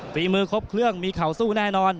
ฝีมือครบเครื่องมีเข่าสู้แน่นอน